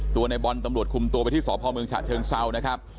ตัวนายบอลตำรวจคุมตัวไปที่สพเมืองชาติเชิงเศร้านะครับ